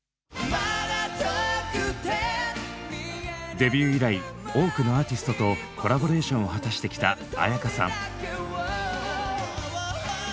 デビュー以来多くのアーティストとコラボレーションを果たしてきた絢香さん。